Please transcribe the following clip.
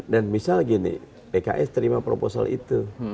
dan misal gini pks terima proposal itu